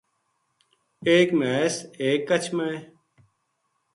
ایک مھیس ایک کَچھ ما ہے